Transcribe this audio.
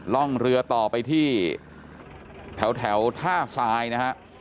ร่องเรือต่อไปที่แถวท่าทรายนะฮะ